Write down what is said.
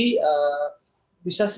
bisa sesuatu yang bisa diatur